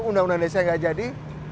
undang undang desa nggak jadi